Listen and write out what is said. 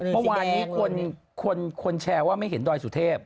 เมื่อวานนี้คนแชร์ว่าไม่เห็นดอยสุเทพ